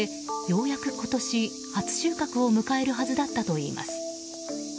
ようやく今年、初収穫を迎えるはずだったといいます。